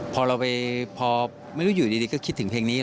พอเราไปพอไม่รู้อยู่ดีก็คิดถึงเพลงนี้